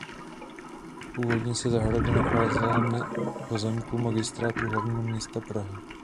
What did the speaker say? Původně se zahrada nacházela na pozemku Magistrátu hlavní města Prahy.